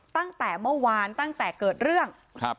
ตั้งแต่เมื่อวานตั้งแต่เกิดเรื่องครับ